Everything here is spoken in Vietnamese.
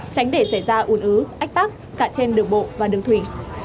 tránh để xảy ra ủn ứ ách tắc cả trên đường bộ và đường thủy